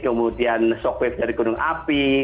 kemudian shockwave dari gunung api